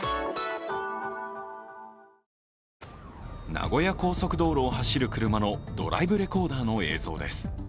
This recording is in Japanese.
名古屋高速道路を走る車のドライブレコーダーの映像です。